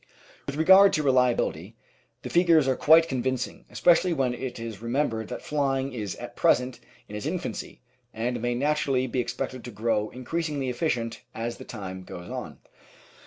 With regard to reliability, the figures are quite convincing, especially when it is remembered that flying is at present in its infancy, and may naturally be expected to grow increasingly efficient as time goes on.